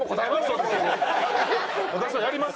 私はやります。